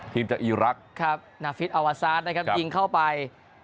จากอีรักษ์ครับนาฟิศอาวาซาสนะครับยิงเข้าไป